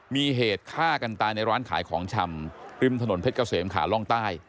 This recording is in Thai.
มีเหตุฆ่ากันตายในร้านขายของชำริมถนนเพชรเกษมขาล่องใต้